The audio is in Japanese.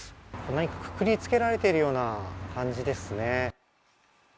何かくくりつけられているような感じですね。